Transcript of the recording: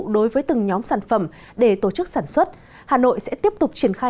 đối với từng nhóm sản phẩm để tổ chức sản xuất hà nội sẽ tiếp tục triển khai